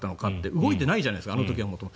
動いてないじゃないですかあの時は元々。